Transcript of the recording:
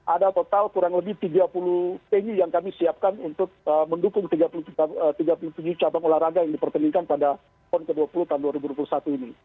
ada total kurang lebih tiga puluh venue yang kami siapkan untuk mendukung tiga puluh tujuh cabang olahraga yang dipertandingkan pada pon ke dua puluh tahun dua ribu dua puluh satu ini